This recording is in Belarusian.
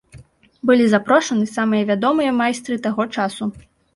Былі запрошаны самыя вядомыя майстры таго часу.